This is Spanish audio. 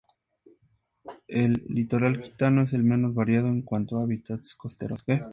El litoral aquitano es el menos variado en cuanto a hábitats costeros.